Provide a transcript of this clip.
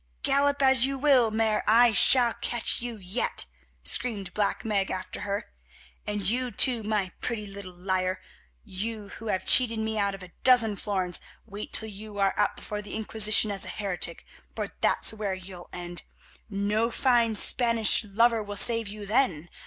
"Gallop as you will, Mare, I shall catch you yet," screamed Black Meg after her. "And you too, my pretty little liar, who have cheated me out of a dozen florins. Wait till you are up before the Inquisition as a heretic—for that's where you'll end. No fine Spanish lover will save you then.